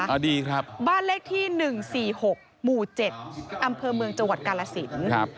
อ่าดีครับบ้านเลขที่หนึ่งสี่หกหมู่เจ็ดอำเภอเมืองจังหวัดกาลสินครับ